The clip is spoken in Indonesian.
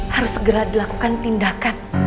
harus segera dilakukan tindakan